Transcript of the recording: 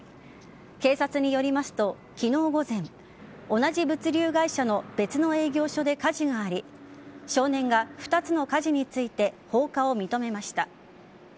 警察によりますと、昨日午前同じ物流会社の別の営業所で火事があり少年が２つの火事について放火を認めました。